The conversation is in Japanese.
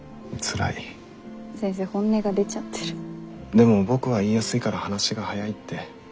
でも僕は言いやすいから話が早いって。